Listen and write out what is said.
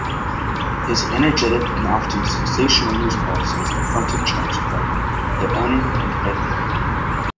His energetic and often sensational news policies affronted Charles Clark, the owner and editor.